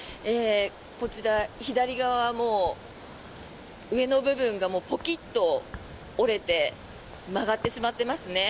こちら、左側も上の部分がポキッと折れて曲がってしまっていますね。